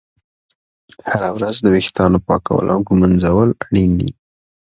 هره ورځ د ویښتانو پاکول او ږمنځول اړین دي.